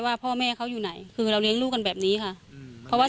ว่าพ่อแม่เขาอยู่ไหนคือเราเลี้ยงลูกกันแบบนี้ค่ะเพราะว่า